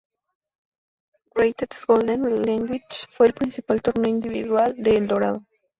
Greatest Golden League fue el principal torneo individual de El Dorado.